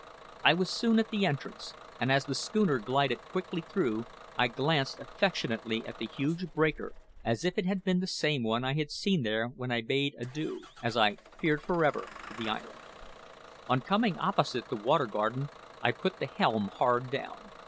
I was soon at the entrance; and as the schooner glided quickly through, I glanced affectionately at the huge breaker as if it had been the same one I had seen there when I bade adieu, as I feared for ever, to the island. On coming opposite the Water Garden, I put the helm hard down.